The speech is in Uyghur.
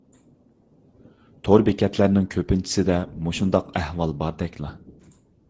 تور بېكەتلەرنىڭ كۆپىنچىسىدە مۇشۇنداق ئەھۋال باردەكلا.